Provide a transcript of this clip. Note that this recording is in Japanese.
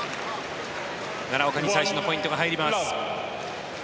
奈良岡に最初のポイントが入ります。